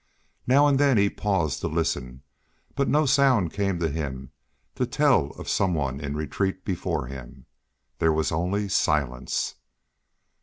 Now and then he paused to listen, but no sound came to him to tell of some one in retreat before him. There was only Silence.